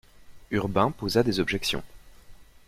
Urbain posa des objections.